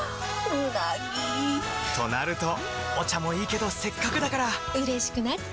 うなぎ！となるとお茶もいいけどせっかくだからうれしくなっちゃいますか！